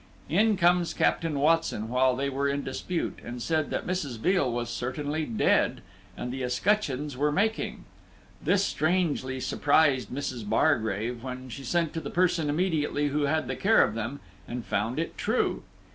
In comes Captain Watson, while they were in dispute, and said that Mrs. Veal was certainly dead, and the escutcheons were making. This strangely surprised Mrs. Bargrave, when she sent to the person immediately who had the care of them, and found it true.